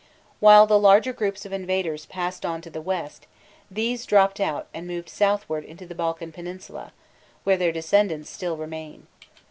While the larger groups of invaders passed on to the west, these dropped out and moved southward into the Balkan peninsula, where their descendants still remain.